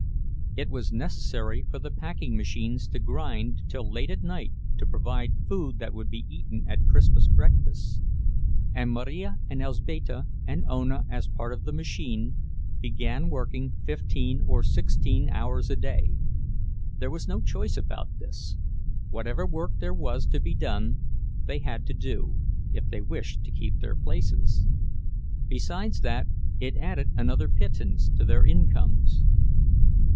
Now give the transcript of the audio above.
It was necessary for the packing machines to grind till late at night to provide food that would be eaten at Christmas breakfasts; and Marija and Elzbieta and Ona, as part of the machine, began working fifteen or sixteen hours a day. There was no choice about this—whatever work there was to be done they had to do, if they wished to keep their places; besides that, it added another pittance to their incomes.